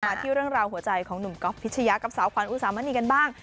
ที่เรื่องราวหัวใจของหนุ่มก๊อฟพิชยะกับสาวขวัญอุสามณีกันบ้าง